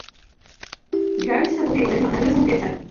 Gui se později oženil a narodily se mu dvě dcery.